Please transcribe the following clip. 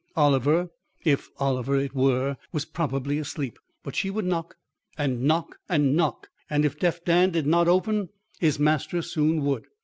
Oliver (if Oliver it were) was probably asleep; but she would knock, and knock, and knock; and if Deaf Dan did not open, his master soon would.